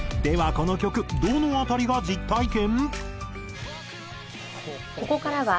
この曲どの辺りが実体験？